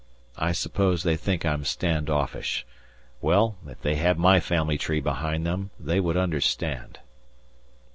I suppose they think I'm stand offish. Well, if they had my family tree behind them they would understand.